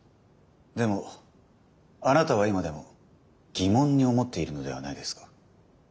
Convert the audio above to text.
でもあなたは今でも疑問に思っているのではないですか？